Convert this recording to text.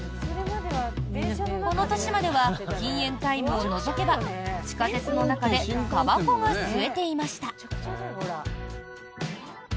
この年までは禁煙タイムを除けば地下鉄の中でたばこが吸えていました。